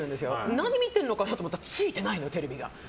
何見てるのかなと思ったらついてないの、テレビが。